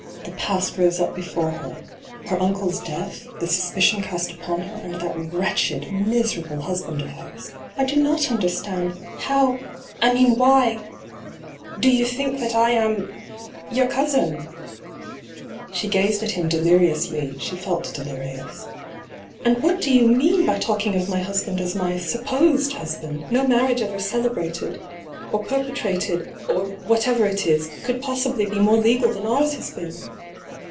The past rose up before her — her uncle's death, the suspicion cast upon her, and that wretched, miserable husband of hers. ' I do not under stand I How — I mean why— do you think that I am — your cousin ?' She gazed at him deliriously ; she felt delirious. ' And what do you mean by talking of my husband as my " supposed " husband ? No marrieige ever celebrated, or perpetrated, or whatever it is, could possibly be more legal than ours has been!'